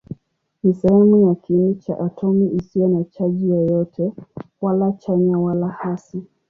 Ni sehemu ya kiini cha atomi isiyo na chaji yoyote, wala chanya wala hasi.